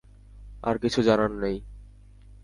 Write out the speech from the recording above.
আর কিছু জানার নেই।